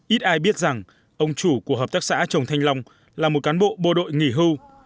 ít ai biết rằng ông chủ của hợp tác xã trồng thanh long là một cán bộ bộ đội nghỉ hưu